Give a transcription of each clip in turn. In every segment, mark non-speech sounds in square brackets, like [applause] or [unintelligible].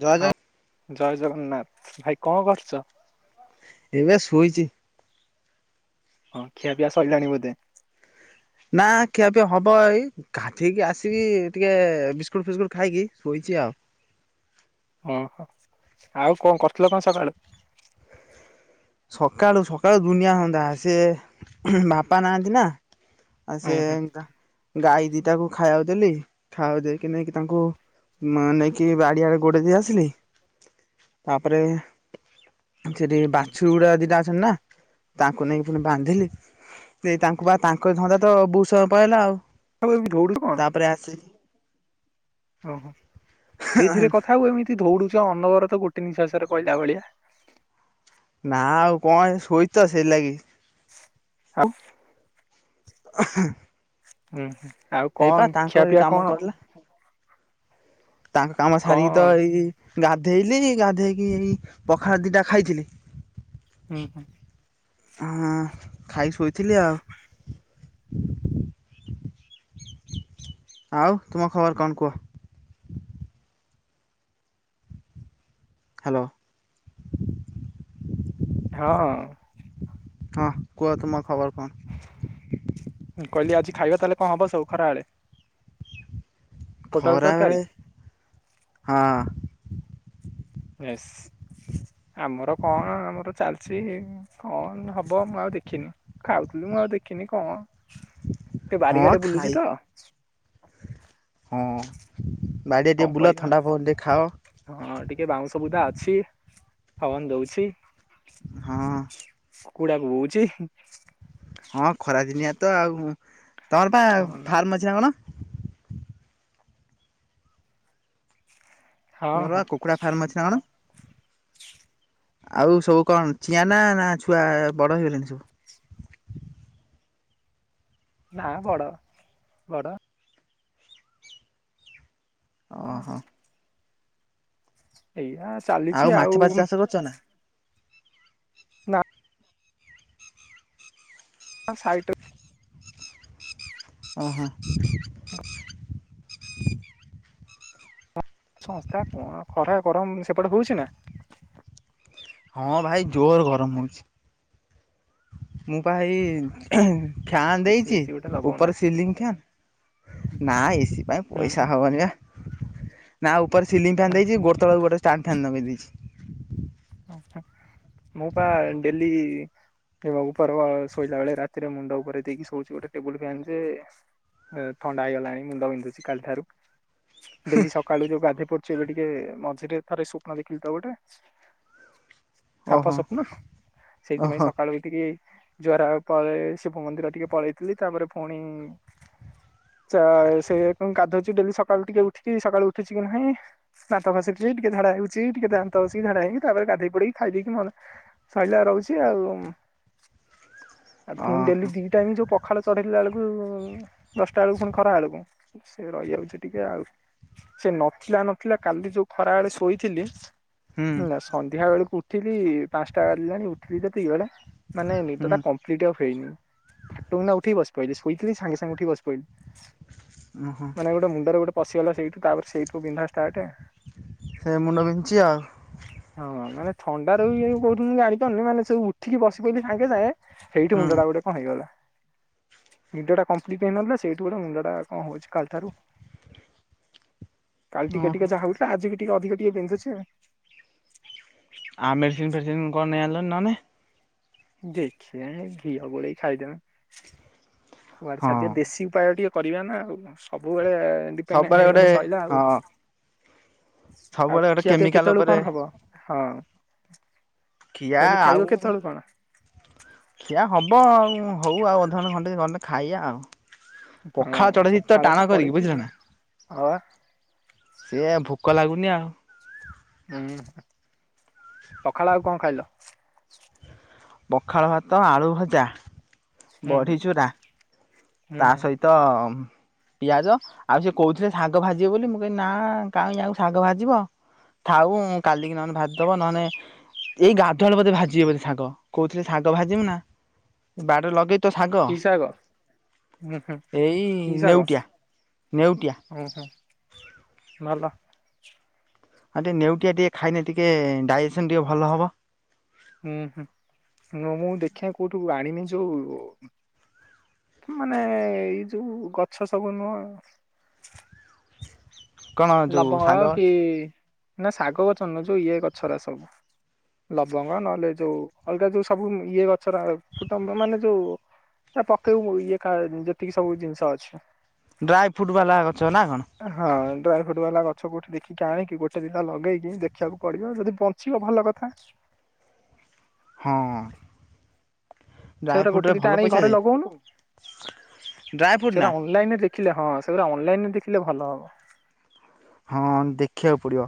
ଜୟ ଜଗ ହଁ ଜୟ ଜଗନ୍ନାଥ -ଭାଇ କଣ କରୁଚ? ଏବେ ଶୋଇଚି। ହଁ ଖିଆ ପିଆ ସଇଲାଣି ବୋଧେ? ନା ଖିଆ ପିଆ ହବ ଏଇ ଗାଧେଇକି ଆସିକି ଟିକେ ବିସ୍କୁଟ୍ ଫିସ୍କୁଟ୍ ଖାଇକି ଶୋଇଚି ଆଉ। ଓହୋ ଆଉ କଣ କରିଥିଲ କଣ ସକାଳୁ? ସକାଳୁ- ସକାଳୁ ଦୁନିଆ ଧନ୍ଦା ସେ ବାପା ନାହାଁନ୍ତି ନା ଆଉ ସେ ଉଁ ହୁଁ ଗା- ଗାଈ ଦିଟାକୁ ଖାଇବାକୁ ଦେଲି ଖାଇବାକୁ ଦେଇକି ନେଇକି ତାଙ୍କୁ ମା ନେଇକି ବାଡି ଆଡେ ଗୋଡେଇ ଦେଇ ଆସିଲେ ତାପରେ ସେଠି ବାଛୁରୀ ଗୁଡା ଦିଟା ଅଛନ୍ତି ନା ତାଙ୍କୁ ନେଇକି ଫୁଣି ବାନ୍ଧିଲି ଏ ତାଙ୍କୁ ବା ତାଙ୍କ ଧନ୍ଦା ତ ବହୁତ୍ ସମୟ ପଳେଇଲା ଆଉ। ଆବେ ଏମିତି ଦଉଡୁଚୁ କଣ୍। ତାପରେ ଆସି ଓହୋ ଧୀରେ ଧୀରେ କଥା ହୁଅ ଏମିତି ଦଉଡୁଚ ଅନବରତ ଗୋଟେ ନିଶ୍ୱାସରେ କହିଲା ଭଳିଆ। ନା ଆଉ କଣ ଏ ଶୋଇଚି ତ ସେଇଲାଗି। [inaudible] [inaudible] ହୁଁ -ଆଉ ହେଇପା କଣ୍ ଖିଆ ତାଙ୍କରି ପିଆ କାମ କଣ? କରିଲା ତାଙ୍କ କାମ କଣ ସାରିକି ତ ହୁଁ ଏଇ ଗାଧେଇଲି ଗାଧେଇକି ଏଇ ପଖାଳ ଦିଟା ଖାଇଥିଲି ହୁଁ -ହୁଁ। ହୁଁ- ଖାଇକି ଶୋଇଥିଲି ଆଉ। ଆଉ ତୁମ ଖବର୍ କଣ୍ କୁହ? ହ୍ୟାଲୋ। ହଁ। ହଁ କୁହ ତୁମର ଖବର କଣ? ହଁ, କହିଲି ଆଜି ଖାଇବା ତାହେଲେ କଣ ହବ ସବୁ ଖରାବେଳେ? ପୋଟଳ ତରକାରୀ ଖରାବେଳେ ହଁ ଏସ ଆମର କଣ ଆମର ଚାଲିଛି କଣ ହବ ମୁଁ ଆଉ ଦେଖିନି ଖାଉଥିଲି, ମୁଁ ଆଉ ଦେଖିନି କଣ [inaudible] ଟିକେ ବାରିଆଡେ ଖାଇ ବୁଲୁଚି ତ। ହଁ ବାଡ଼ିଆଡେ କଣ ଟିକେ ବୁଲ, କରିବା। ଥଣ୍ଡା ପବନ ଟିକେ ଖାଅ। ହଁ ଟିକେ ବାଉଁଶବୁଦା ଅଛି, ପବନ ଦଉଛି। ହଁ। କୁକୁଡା ବୋବଉଛି? ହଁ ଖରା ଦିନିଆ ତ ଆଉ, ତମର ପା ହଁ ଫାର୍ମ ଅଛି ନା କଣ? ହଁ ତୁମର ହଁ ବା କୁକୁଡ଼ା ଫାର୍ମ ଅଛି ନା କଣ? ଆଉ ସବୁ କଣ, ଚିଆଁ ନା ନା ଛୁଆ ବଡ ହେଇଗଲେଣି ସବୁ? ନା ବଡ ବଡ। ଓ- ହଁ। ଏଇଆ ଚାଲିଛି ଆଉ କରୁଚ ନା? ନା। ହଁ ସାଇଟ ଓ ହୋ। ସଂସ୍ଥା କଣ, ଖରା ଗରମ ସେପଟେ ହଉଛି ନା? ହଁ ଭାଇ ଜୋରେ ଗରମ ହଉଛି। ମୁଁ ପା ଏଇ ଫ୍ୟାନ୍ ଏସି ଦେଇଚି, ଫେସି ଗୋଟେ ଲଗଉନା। ଉପର ସିଲିଂ ହୁଁ ଫ୍ୟାନ୍ ନାଇଁ ଏସି ପାଇଁ ହୁଁ ପଇସା ହୁଁ ହବନି ବା। ନା ଉପରେ ସିଲିଙ୍ଗ ଫ୍ୟାନ୍ ହୁଁ ଦେଇଛି, ଗୋଡ଼ ତଳକୁ ଗୋଟେ ଷ୍ଟାଣ୍ଡ ଫ୍ୟାନ୍ ନଗେଇ ଦେଇଛି। ମୁଁ ପା ଡେଲି ଏ ବା ଉପର ସୋଇଲା ବେଳେ ରାତିରେ ମୁଣ୍ଡ ଉପରେ ଦେଇକି ଶୋଉଛି, ଗୋଟେ ଟେବୁଲ ଫ୍ୟାନ୍ ଯେ ଥଣ୍ଡା ହେଇଗଲାଣି, ମୁଣ୍ଡ ବିିନ୍ଧୁଛି କାଲି ଠାରୁ। ଡେଲି ସକାଳୁ ଯୋଉ ଗାଧୋଇ ପଡୁଛି, ଏବେ ଟିକେ ମଝିରେ ଥରେ ସ୍ୱପ୍ନ ଦେଖିଲୁ ତ ଗୋଟେ ସାଫ ଓହୋ ସ୍ୱପ୍ନ, ସେଇଥିପାଇଁ ଓହୋ ସକାଳୁ ଉଠିକି ଜରା ପରେ ଶିବ ମନ୍ଦିର ଟିକେ ପଳେଇଥିଲି, ତାପରେ ପୁଣି ସେ କଣ ଗାଧୁଉଛି ଡେଲି ସକାଳୁ ଟିକେ ଉଠିକି, ସକାଳୁ ଉଠୁଛି କି ନାହିଁ? ଦାନ୍ତ ଘଷିଲି ଟିକେ ଝାଡ଼ା ହେଉଚି ଟିକେ ଦାନ୍ତ ଘଷିକି ଝାଡ଼ା ଯାଇ ତାପରେ ଗାଧେଇ ପଡକି ଖାଇ ଦେଇକି, ମୋର ସଇଲା ରହୁଛି ଆଉ। ଆ ପୁଣି ଓହୋ ଡେଲି ଦି ଟାଇମ୍ ଯୋଉ ପ ଖାଳ ଚଢେଇଲା ବେଳକୁ, ଦଶଟା ବେଳକୁ, ପୁଣି ଖରା ବେଳକୁ, ସେ ରହିଯାଉଛି ଟିକେ ଆଉ। ସେ ନଥିଲା ନଥିଲା କାଲି ଯୋଉ ଖରାବେଳେ ଶୋଇଥିଲି ହୁଁ ହେଲା ସନ୍ଧ୍ୟା ବେଳକୁ ଉଠିଲି, ପାଞ୍ଚଟା ବାଜିଲାଣି ଉଠିଲି ଯେତିକିବେଳେ ମାନେ ହୁଁ ନିଦଟା କ କଂପ୍ଲିଟ୍ ଆଉ ହେଇନି, ଫଟକିନା ଉଠିକି ବସି ପଇଲି ଶୋଇଥିଲି ସାଙ୍ଗେ ସାଙ୍ଗେ ଉଠି ବସି ପଇଲି। ଓ ହୋ। ମାନେ ଗୋଟେ ମୁଣ୍ଡରେ ଗୋଟେ ପଶିଗଲା, ସେଇଠୁ ତାରେ ସେଇଠୁ ବିନ୍ଧା ଷ୍ଟାର୍ଟ। ସେଇଆ ମୁଣ୍ଡ ବିନ୍ଧୁଚି ଆଉ। ହଁ ମାନେ ଥଣ୍ଡାରୁ କି କୋଉଥିରୁ ଜାଣି ପାରୁନି, ମାନେ ସବୁ ଉଠିକି ବସି ପଇଲି ସାଙ୍ଗେ ସାଙ୍ଗେ ସେଇଠି ହୁଁ ମୁଣ୍ଡଟା ଗୋଟେ କଣ ହେଇଗଲା? ନିଦଟା କଂପ୍ଲିଟ୍ ହେଇନଥିଲା, ସେଇଠୁ ଗୋଟେ ମୁଣ୍ଡଟା କଣ ହଉଛି କାଲିଠାରୁ। [inaudible] କାଲି ଟିକେ ଓହୋ ଟିକେ ଯାହା ହଉଥିଲା ଆଜି କି ଟିକେ ଅଧିକ ଟିକେ ବିନ୍ଧୁଛି। ଆଉ ମେଡ଼ିସିନ ଫେଡି଼ସିନ କଣ ନେଇ ଆଣିଲନି ନହେଲେ? ଦେଖିବା ଏଇ ଘିଅ ଗୋଳେଇକି ଖାଇଦବା କୁଆଡ଼େ ହଁ ଛାଡ଼ି ଯିବ। ଦେଶୀ ଉପାୟ ଟିକେ କରିବା ନା ଆଉ ସବୁବେଳେ ଡିପେଣ୍ଡେଣ୍ଟ ସବୁବେଳେ ଗୋଟେ ହେଇଗଲେ ସରିଲା ଆଉ। ହଁ ଆଉ ସବୁବେଳେ ଗୋଟେ ଖିଆ ପିଆ କେମିକାଲ କେତେବେଳ କୁ ଉପରେ କଣ ହବ ହଁ? ଖିଆ କହିଲି ଖାଇବ ଆଉ କେତେବେଳେ କଣ? ଖିଆ ହବ ଆଉ ହଉ ଆଉ ଅଧ ଘଣ୍ଟେ ଘଣ୍ଟେ ଗଲେ ଖାଇବା ଆଉ। ପଖାଳ ଚଢ଼େଇ ହଁ ଦେଇଚି ତ ପଖାଳ ଟାଣ କରିକି ପଡିଛି ବୁଝିଲ ନା ଆଉ ସିଏ ଭୋକ ଲାଗୁନି ଆଉ। ହୁଁ ପଖାଳ ଆଉ କଣ ଖାଇଲ? ପଖାଳ ଭାତ ଆଳୁ ଭଜା ହୁଁ ହୁଁ ବଢ଼ି ଚୁରା ହୁଁ ତା ହୁଁ ସହିତ ତ ପିଆଜ ଆଉ ସେ କହୁଥିଲେ ଶାଗ ଭାଜିବେ ବୋଲି ମୁଁ କହିଲି ନା କାହିଁ ଆଉ ଶାଗ ଭାଜିବ ଥାଉ କାଲିକି ନହେଲେ ଭାଜିଦବ ନହେଲେ ଏଇ ଗାଧୁଆ ବେଳକୁ ବୋଧେ ଭାଜିବେ ବୋଲି ଶାଗ। କହୁଥିଲେ ଶାଗ ଭାଜିିବୁ ନା ବାଡ଼ିରେ ଲଗେଇ ତ ଶାଗ ହୁଁ ହୁଁ ଏଇ ନେଉଟିଆ ନେଉଟିଆ। ଓ ହୁଁ ଭଲ। ଆଉ ଟିକେ ନେଉଟିିଆ ଟିକେ ଖାଇଲେ ଟିକେ ଡାଇଜେସନ୍ ଟିକେ ଭଲ ହେବ। ହୁଁ ହୁଁ ମୁଁ ଦେଖେ କୋଉଠୁ ଆଣବି ଯୋଉ ମାନେ ଏଇ ଯୋଉ ଗଛ ସବୁ ନୁହଁ କଣ ଯୋଉ ଲବଙ୍ଗ ଶାଗ କି ନା ଶାଗ ନୁହଁ ଯୋଉ ଇଏ ଗଛଗୁଡ଼ା ସବୁ ଲବଙ୍ଗ ନହେଲେ ଯୋଉ ଅଲଗା ଯୋଉ ସବୁ ଇଏ ଗଛଗୁଡ଼ା କୁଟୁମ୍ବ ମାନେ ଯୋଉ ନା ପକେଇବୁ ଇଏ ଯେତିକି ସବୁ ଜିନିଷ ଅଛି। ଡ୍ରାଇ ଫ୍ରୁଟ୍ ବାଲା ଗଛ ନା କଣ? ହଁ ଡ୍ରାଇ ଫ୍ରୁଟ୍ ବାଲା ଗଛ କୋଉଠି ଦେଖିକି ଆଣିକି ଗୋଟେ ଦିଟା ଲଗେଇକି ଦେଖିବାକୁ ପଡ଼ିବ ଯଦି ବଞ୍ଚିବ ଭଲ କଥା। ହଁ। ଡ୍ରାଇ ସେଟା ଗୋଟେ ଫ୍ରୁଟରେ ଦିଟା ଭଲ ଆଣିକି ପଇସା ଘରେ ଯାଏ ଲଗଉନୁ ଡ୍ରାଇ ଫ୍ରୁଟ୍ ନା ସେଟା ଅନଲାଇନ ରେ ଦେଖିଲେ ହଁ ସେଗୁଡ଼ା ଅନଲାଇନ ରେ ଦେଖିଲେ ଭଲ ହବ। ହଁ ଦେଖିବାକୁ ପଡିବ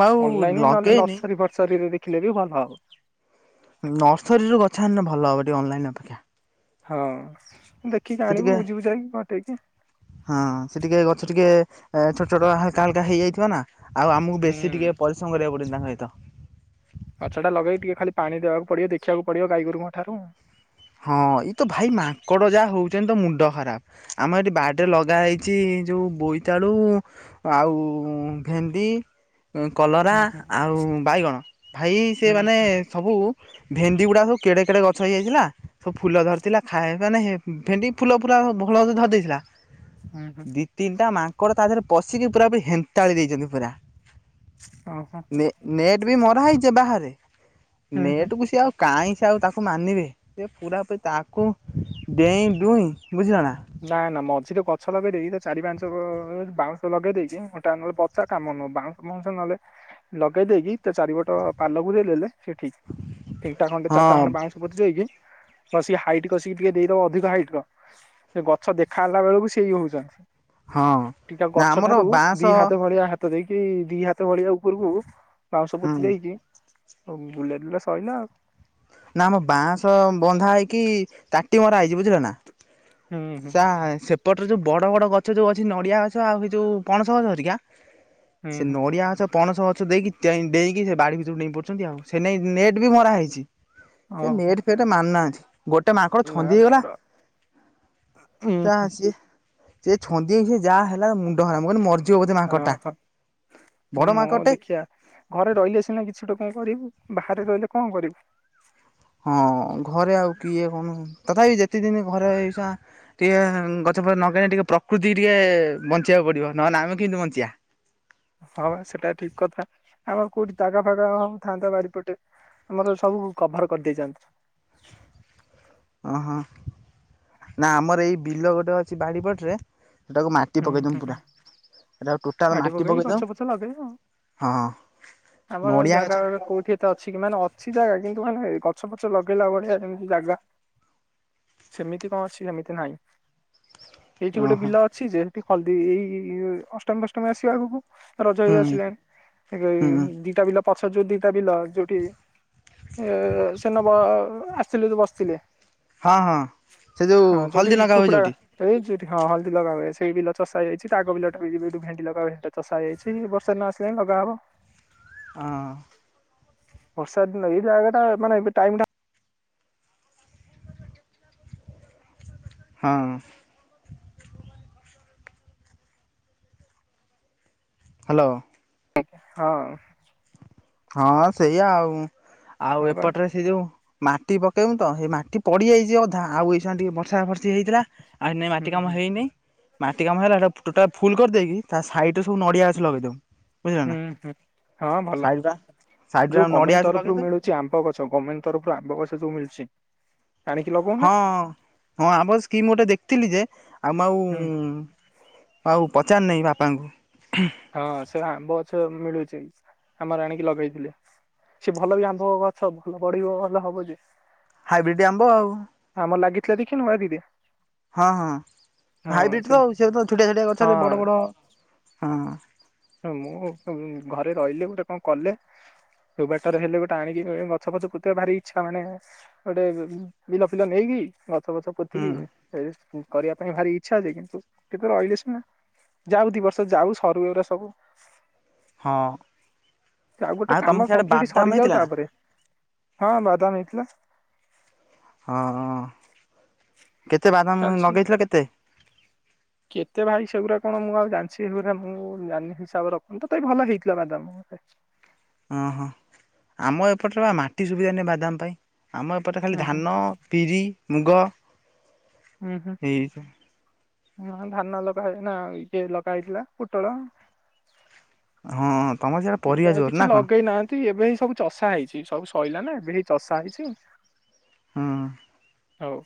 ମୁଁ ଆଉ ଅନଲାଇନ ହିଁ ନହେଲେ ଲଗେଇନି ନର୍ସରୀ ଫର୍ସରୀରେ ଦେଖିଲେ ବି ଭଲ ହବ। ନର୍ସରୀରୁ ଗଛ ଆଣିଲେ ଭଲ ହେବ ଟିକେ ଅନଲାଇନ୍ ଅପେକ୍ଷା। ହଁ ଦେଖିକି ସେ ଆଣିବୁ ଟିକେ ବୁଝି ବୁଝାକି କଣ ଠିକ୍। ହଁ ସେ ଟିକେ ଗଛ ଟିକେ ଛୋଟ ଛୋଟ ହାଲକା ହାଲକା ହେଇଯାଇଥିବ ନା ଆଉ ଆମକୁ ବେଶୀ ହୁଁ। ଟିକେ ପରିଶ୍ରମ କରିବାକୁ ପଡ଼ିବନି ତାଙ୍କ ସହିତ। ଗଛ ଟା ଲଗେଇ ଟିକେ ଖାଲି ପାଣି ଦେବାକୁ ପଡ଼ିବ ଦେଖିବାକୁ ପଡ଼ିବ ଗାଈଗୋରୁଙ୍କ ଠାରୁ। ହଁ ଏଇ ତ ଭାଇ ମାଙ୍କଡ଼ ଯାହା ହଉଛନ୍ତି ତ ମୁଣ୍ଡ ଖରାପ ଆମର ଏଠି ବାଡ଼ିରେ ଲଗା ହେଇଛି ଯୋଉ ବୋଇତାଳୁ ଆଉ ଭେଣ୍ଡି କଲରା ହୁଁ ହୁଁ ଆଉ ବାଇଗଣ ଭାଇ ହୁଁ ସେ ମାନେ ହୁଁ ସବୁ ଭେଣ୍ଡି ଗୁଡ଼ା ସବୁ କେଡ଼େ କେଡ଼େ ଗଛ ହେଇଯାଇଥିଲା। ସବୁ ଫୁଲ ଧରିଥିଲା ଖାଏ ମାନେ ଭେଣ୍ଡି ଫୁଲ ପୁରା ଭଲସେ ଧରି ଦେଇଥିଲା ହୁଁ ହୁଁ। ଦି ତିନିଟା ମାଙ୍କଡ଼ ତା ଦେହରେ ପଶିକି ପୁରା ପୁରି ହେନ୍ତାଳି ଦେଇଛନ୍ତି ପୁରା। ଓହୋଃ। ନେ ନେଟ୍ ବି ମରା ହେଇଛି ବାହାରେ ହୁଁ ହୁଁ। ନେଟ୍ କୁ ସିଏ ଆଉ କାହିଁ ସିଏ ଆଉ ତାକୁ ମାନିବେ। ସେ ପୁରାପରି ତାକୁ ଡେଇଁ ଡୁଇଁ ବୁଝିଲ ନା ନା ନା ମଝିରେ ଗଛ ଲଗେଇଦେଇକି ତ ଚାରି ପାଞ୍ଚ ବାଉଁଶ ଲଗେଇ ଦେଇେଇକି ଗୋଟା ନହେଲେ କାମ ନୁହଁ ବାଉଁଶ ବାଉଁଶ ନହେଲେ ଲଗେଇ ଦେଇେଇକି ତା ଚାରିପଟ ପାଲ ବୁଲେଇ ଦେଲେ ସେ ଠିକ୍ କେଇଟା ଖଣ୍ଡେ ହଁ ଚାରଟା ଖଣ୍ଡେ ବାଉଁଶ ବୁଜି ଦେଇକି କସିକି ହାଇଟ୍ କସିକି ଟିକେ ଦେଇଦବ ଅଧିକ ହାଇଟ୍ ର ସେ ଗଛ ଦେଖା ହେଲା ବେଳକୁ ସେଇ ହଉଛନ୍ତି ହଁ ଟିକେ ନା ଗଛ ଆମର ଠାରୁ ବାଁଶ ଦି ହାତ ଭଳିଆ ହା ହାତ ଦେଇକି, ଦି ହାତ ଭଳିଆ ଉପରକୁ ବାଉଁଶ ହୁଁ ପୋତି ଦେଇକି ଅଉ ବୁଲେଇ ଦେଲେ ସଇଲା ଆଉ। ନା, ଆମ ବାଁସ ବନ୍ଧା ହେଇକି, ତାଟି ମରା ହେଇଛି। ବୁଝିଲ ନା! ହୁଁ ହୁଁ ସା ସେପଟରେ ଯୋଉ ବଡ ବଡ ଗଛ ଯୋଉ ଅଛି, ନଡିଆ ଗଛ ଆଉ, ହେ ଯଉ ପଣସ ଗଛ ହେରିକା ହୁଁ ସେ ହୁଁ ନଡିଆ ଅଛ ପଣସ ଗଛ ଦେଇକି ତେ ଡେଇଁକି, ସେ ବାଡ଼ି ଭିତରୁକୁ ଡେଇଁ ପଡୁଛନ୍ତି ଆଉ। ସେନେଇ ନେଟ୍ ବି ମରା ହେଇଛି। ଏ ଓହୋ ନେଟ୍ ଫେଟ୍ ମାନୁନାହାଁନ୍ତି, ଗୋଟେ ମାଙ୍କଡ ନା ଛନ୍ଦି ହେଇଗଲା। ମୋର ଉଁ ସା ସିଏ, ସିଏ ଛନ୍ଦି ହେଇକି ଯାହା ହେଲା, ମୁଣ୍ଡ ଖରାପ ମୁଁ କହିନି ମର ରି ଯିବ ବୋଧେ ମାଙ୍କଡ଼ଟା! ଓହୋ ନା ବଡ ମୁଁ ମାଙ୍କଡଟେ। ଦେଖିଆ ଘରେ ରହିଲେ ସିନା କିଛି ଗୋଟେ କଣ କରିବୁ? ବାହାରେ ରହିଲେ କଣ କରିବୁ? ହଁ, ଘରେ ଆଉ କିଏ କହୁନୁ? ତଥାପି ଯେତେ ଦିନ ଘରେ ଏଇସାଁ ଟିକେଁ ଗଛଫ ନଗେଇ, ଟିକେ ପ୍ରକୃତିକି ଟିକେ ବଞ୍ଚିବାକୁ ପଡ଼ିବ, ନହେନେ ଆମେ କେମିତି ବଞ୍ଚିବା? ହଁ, ବା ସେଟା ଠିକ୍ କଥା। ଆମର କୋଉଠି ଯାଗା ଫାଗା ହଁ ଥାନ୍ତା, ବାରିପଟେ। ଆମର ସବୁ କଭର କରିଦେଇଛନ୍ତି। ଅହଁ, ନା ଆମର ଏଇ ବିଲ ଗୋଟେ ଅଛି ବାଡିପଟରେ ହେଟାକୁ ମାଟି ହୁଁ ହୁଁ ପକେଇଦମୁଁ ପୂରା। ହେଟା କୁ ଟୋଟାଲ୍ ମାଟି ପକେଇ ଗଛ ଦଉଁ, ପଛ ଲଗେଇବା ଆଉ। ହଁ ଆମର ନଡିଆ ଜାଗା ଗଛ କୋଉଠି ଏତେ ଅଛି କି ମାନେ, ଅଛି ଜାଗା କିନ୍ତୁ ମାନେ ଗଛ ଫଛ ଲଗେଇଲା ଭଳିଆ ଏମିତି ଜାଗା ସେମିତି କଣ ଅଛି? ସେମିତି ନାହିଁ। ଏଇଠି ଗୋଟେ ଓହୋ ବିଲ ଅଛି ଯେ, ହେଠି ହଳଦୀ ଏଇ, ଅଷ୍ଟମୀ ଫଷ୍ଟମୀ ଆସିବ ଆଗକୁ ରଜ ହେଇ ହୁଁ ଆସିଲାଣି, ହୁଁ ଦିଟା ବିିଲ ପଛ ଜୋଉ ଦିଟା ବିିଲ ଯଉଠି ଏ ସେ ନବ ଆସିଥିଲେ, ତ ବସିଥିଲେ ହଁ, ହଁ, ସେ ଯୋଉ ହଳଦୀ ନଗା ହୁଏ ଯଉଠି ଏଇଚି ସେଠି ହଁ ହଳଦୀ ଲଗା ହୁଏ, ସେଇ ବିଲ ଚଷା ହେଇଯାଇଛି, ତା ଆଗ ବିଲ ଟାବି [unintelligible] ଭେଣ୍ଡି ଲଗା ହୁଏ, ହେଟା ଚଷାହେଇ ଯାଇଛି। ବର୍ଷା ଇନ ଆସିଲାଇଁ ଲଗା ହବ। ହଁ। ବର୍ଷା ଦିନ, ଏଇ ଜାଗା ଟା ମାନେ, ଏବେ ଟାଇମ୍ ଟା ହଁ। ହ୍ୟାଲୋ। ହଁ। ହଁ, ସେଇଆ ଆଉଁ। ଆଉ ହଁ ବା ଏପଟରେ ହେ ଯୋଉଁ ମାଟି ପକେଇବୁଁ ତ, ହେଇ ମାଟି ପଡିଯାଇଛି ଅଧା, ଆଉ ଏଇ ସୟାଁ ଟିକେ ବର୍ଷା ବର୍ଷି ହେଇଥିଲା। ଆଉ, ହେଇନେ ହୁଁ ମାଟି ହୁଁ କାମ ହେଇନେଇ ମାଟି କାମ ହେଲା, ହେଟା ଟୋଟାଲ୍ ଫୁଲ କରିଦେଇକି, ତା ସାଇଟ୍ ରେ ସବୁ ନଡିଆ ଗଛ ଲଗେଇଦେବୁ। ହୁଁ, ହୁଁ, ହଁ ଭଲ। ଟା ସାଇଡ ଟା ଯୋଉ ନଡିଆ ଗଭର୍ମେଣ୍ଟ ଗଛ ତରଫରୁ ଲଗେଇଦବୁ ମିଳୁ ଚି ଆମ୍ବ ଗଛ, ଗମେଣ୍ଟ ତରଫରୁ ଆମ୍ବ ଗଛ ଯୋଉ ମିଳୁଚି। ଆଣିିକି ଲଗଉଁ ହଁ, ହଁ ଆମ୍ବ ସ୍କିମ୍ ଗୋଟେ ଦେଖିଥିଲି ଯେ, ଆମ ଆଉଁ ହୁଁ ଆଉ, ପଚାରନେଇ ବାପାଙ୍କୁ। ହଁ, ସେ ଆମ୍ବ ଗଛ ଏବେ ମିଳୁଛି। ଆମର ଆଣିକି ଲଗେଇଥିଲେ। ସି ଭଲ ବି, ଆମ୍ଭ-ଅ ଗଛ। ଭଲ ବଢିବ, ଭଲ ହବ ଯେ ହାଇବ୍ରିଡ୍ ଆମ୍ବ ଆଉ। ଆମ୍ବ ଲାଗିଥିଲା ଦେଖିନୁ ବାରିରେ? ହଁ, ହଁ, ହାଇବ୍ରିଡ଼୍ ତ ଆଉ। ସେ ତ ଛୋଟିଆ ଛୋଟିଆ ଗଛରେ ବଡ଼ ହଁ ବଡ଼ ହଁ ହଁ, ମୁଁ ଘରେ ରହିଲେ ଗୋଟେ କଣ କଲେ ଯୋଉ ବାଟରେ ହେଲେ ଗୋଟେ ଆଣିକି ଗଛ ଫଛ ପୋତି ବାକୁ ଭାର ଇଚ୍ଛା ମାନେ ଗୋଟେ ବିଲ ଫିଲ ନେଇକି, ଗଛ ଫଛ ହୁଁ ପୋତିକି ରେଷ୍ଟ କରିବା ପାଇଁ ଭାରି ଇଚ୍ଛା ଯେ! କିନ୍ତୁ ରହିଲେ ସିନା, ଯାଉ ଦି ବର୍ଷ ଯାଉ ସରୁ ଏଉରା ସ ସବୁ ହଁ। ଆଉ ଗୋଟେ ତମ କାମ ସିଆଡେ କମ୍ପ୍ଲିଟ ବାଦାମ ସରିଯାଉ ହେଇଥିଲା ନା? ତାପରେ ହଁ ବାଦାମ ହେଇଥିଲା। ହଁଁ କେତେ ବାଦାମ ଚାଲିଛି। ଲଗେଇଥିଲ କେତେ। କେତେ ଭାଇ ସେଗୁରା କଣ ମୁଁ ଆଉ ଜାଣିଛି ମୁଁ ଜାନି ହିସାବ ରଖୁନି ତ ଥାବି ଭଲ ହେଇଥିଲା ବାଦାମ। ହ ହଁ ହଁ ଆମ ଏପଟରେ ବା ମାଟି ସୁବିଧା ନେ ବାଦାମ ପାଇଁ ଆମ ଏପଟେ ଖାଲି ହୁଁ ହୁଁ ଧାନ ପିରି ମୁଗ। ହୁଁ ଏଇ ହୁଁ ହଁ ଧାନ ଲଗା ହେ ନା ଇଏ ଲଗା ହେଇଥିଲା ପୋଟଳ। ହଁ ତମର ସିଆଡେ ଏବେ ପରିବା ଆଉ କିଛି ଜୋର ନା କଣ। ଲଗେଇ ନାହାନ୍ତି ଏବେ ହେଇ ସବୁ ଚର୍ଷା ହେଇଛି ସବୁ ସଇଲା ନା ବିରି ଚର୍ଷା ହେଇଛି। ହଁ। ହଉ।